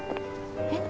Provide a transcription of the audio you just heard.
えっ？